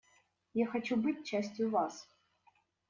Я хочу быть частью вас.